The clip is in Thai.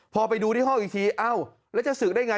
พอไปดูที่ห้องอีกทีเอ้าแล้วจะศึกได้ไง